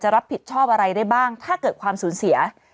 รับผิดชอบอะไรได้บ้างถ้าเกิดความสูญเสีย